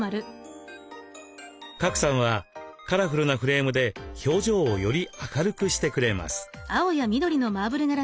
賀来さんはカラフルなフレームで表情をより明るくしてくれます。